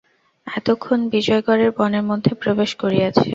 এতক্ষণ বিজয়গড়ের বনের মধ্যে প্রবেশ করিয়াছে।